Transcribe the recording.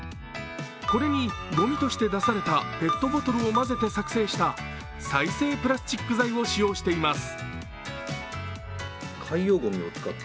これにごみとして出されたペットボトルを混ぜて作成した再生プラスチック材を使用しています。